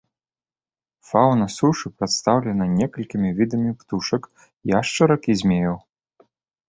Фаўна сушы прадстаўлена некалькімі відамі птушак, яшчарак і змеяў.